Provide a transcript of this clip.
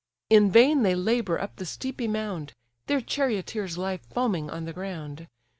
In vain they labour up the steepy mound; Their charioteers lie foaming on the ground.